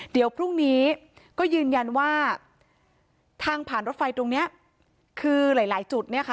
เดี๋ยวพรุ่งนี้ก็ยืนยันว่าทางผ่านรถไฟตรงนี้คือหลายจุดเนี่ยค่ะ